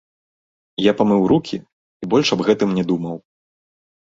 Я памыў рукі і больш аб гэтым не думаў.